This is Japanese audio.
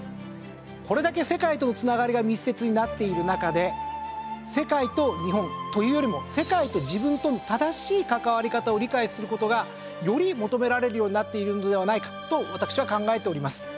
これだけ世界との繋がりが密接になっている中で世界と日本というよりも世界と自分との正しい関わり方を理解する事がより求められるようになっているのではないかと私は考えております。